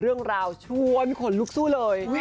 เรื่องราวชวนขนลุกสู้เลย